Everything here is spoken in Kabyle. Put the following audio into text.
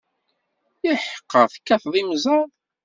Iḥeqqa, tekkateḍ imẓad?